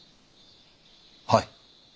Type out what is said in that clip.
はい。